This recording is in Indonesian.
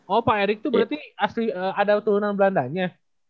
oh pak erik tuh berarti ada turunan belandanya